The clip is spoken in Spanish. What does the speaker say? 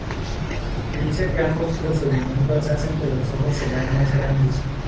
Se dice que ambos procedimientos hacen que los ojos se vean más grandes.